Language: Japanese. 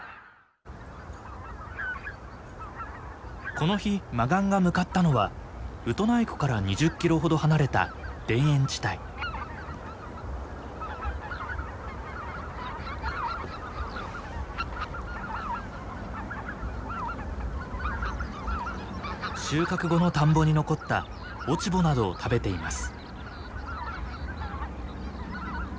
この日マガンが向かったのはウトナイ湖から２０キロほど離れた田園地帯。収穫後の田んぼに残った落ち穂などを食べています。